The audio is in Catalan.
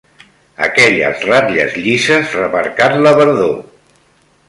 Aquelles ratlles llises remarcant la verdor